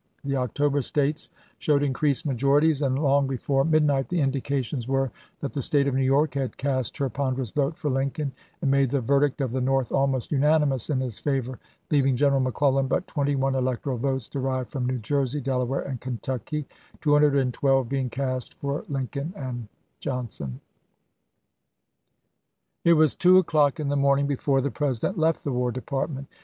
The October States showed increased majorities, and long before midnight the indications were that the State of New York had cast her ponderous vote for Lincoln, and made the verdict of the North almost unani mous in his favor, leaving General McClellan but twenty one electoral votes, derived from New Jersey, Delaware, and Kentucky, 212 being east for Lincoln and Johnson. 378 ABRAHAM LINCOLN chap, xvl It was two o'clock in the morning before the President left the War Department.